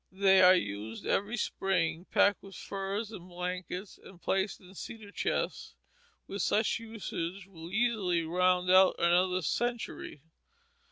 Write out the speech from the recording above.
They are used every spring packed with furs and blankets and placed in cedar chests, and with such usage will easily round out another century.